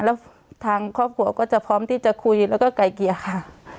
แล้วทางครอบครัวก็จะพร้อมที่จะคุยแล้วก็ไกลเกลี่ยค่ะ